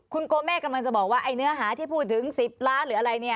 คุณโก้แม่กำลังจะบอกว่าเนื้อหาที่พูดถึง๑๐ล้านหรืออะไร